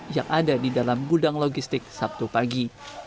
yang ada di dalam gudang logistik sabtu pagi